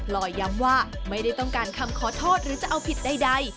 ลอยย้ำว่าไม่ได้ต้องการคำขอโทษหรือจะเอาผิดใด